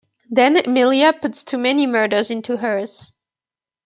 Then Emilia puts too many murders into hers.